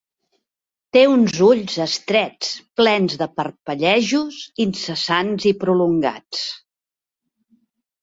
Té uns ulls estrets plens de parpellejos incessants i prolongats.